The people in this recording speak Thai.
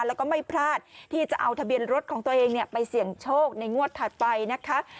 แล้วก็ไม่พลาดที่จะเอาทะเบียนรถของตัวเองไปเสี่ยงโชคในงวดถัดไปนะคะ